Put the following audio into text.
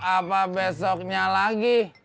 apa besoknya lagi